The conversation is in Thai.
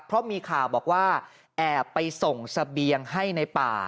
เพราะมีข่าวบอกว่าแอบไปส่งเสบียงให้ในป่า